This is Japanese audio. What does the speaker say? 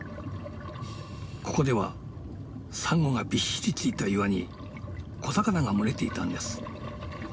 ここではサンゴがびっしりついた岩に小魚が群れていたんです。